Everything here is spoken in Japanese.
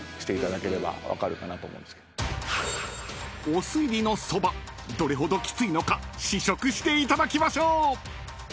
［お酢入りのそばどれほどきついのか試食していただきましょう！］